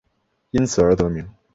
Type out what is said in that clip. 因此而得名。